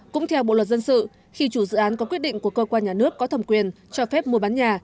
cũng theo bộ luật dân sự khi chủ dự án có quyết định của cơ quan nhà nước có thẩm quyền cho phép mua bán nhà